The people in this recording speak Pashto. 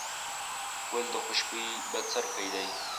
ګل د خوشبويي بڅرکی دی.